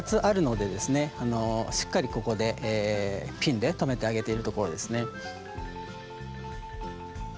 あのしっかりここでピンで留めてあげているところですね。